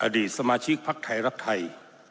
อดีตสมาชิกภักดิ์ไทยรักไทย